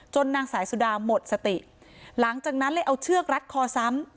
นางสายสุดาหมดสติหลังจากนั้นเลยเอาเชือกรัดคอซ้ำ